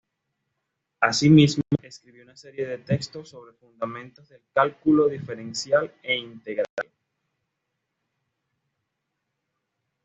Asimismo, escribió una serie de textos sobre fundamentos del cálculo diferencial e integral.